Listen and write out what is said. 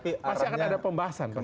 pasti akan ada pembahasan